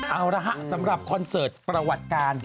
เอาละฮะสำหรับคอนเสิร์ตประวัติการ